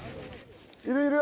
いるいる。